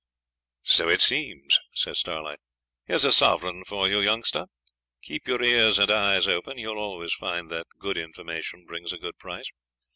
'So it seems,' says Starlight; 'here's a sovereign for you, youngster. Keep your ears and eyes open; you'll always find that good information brings a good price.